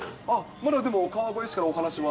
まだでも川越市からお話は？